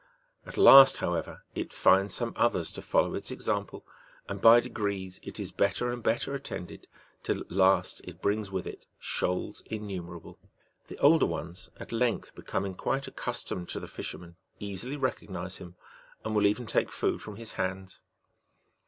At last, however, it finds some others to follow its example, and by degrees it is better and better attended, till at last it brings with it shoals innumerable. The older ones, at length becoming quite accustomed to the fisherman, easily recognize him, and will even take food from his hands.